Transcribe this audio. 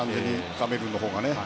カメルーンのほうがね。